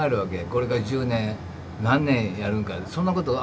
これから１０年何年やるんかそんなこと。